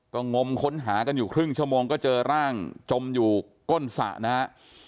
ก็งมค้นหากันอยู่ครึ่งชั่วโมงก็เจอร่างจมอยู่ก้นสระนะฮะ